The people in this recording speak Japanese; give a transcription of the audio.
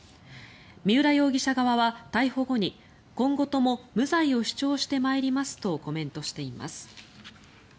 三浦容疑者側は逮捕後に今後とも無罪を主張して参りますとコメントしています。